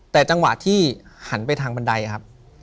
แต่จังหวะที่หันไปทางบันไดครับ